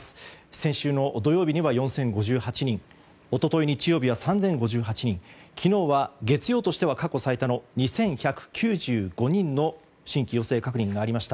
先週の土曜日には４０５８人一昨日、日曜日は３０５８人昨日は月曜としては過去最多の２１９５人の新規陽性確認がありました。